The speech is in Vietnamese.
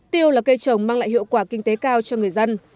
tiêu là cây trồng mang lại hiệu quả kinh tế cao cho người dân